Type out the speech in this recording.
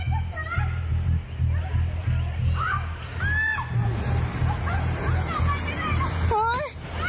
เฮ้ยเฮ้ย